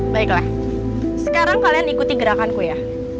baiklah sekarang kalian ikuti gerakanku ya